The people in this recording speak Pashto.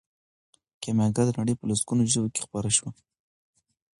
کیمیاګر د نړۍ په لسګونو ژبو کې خپور شو.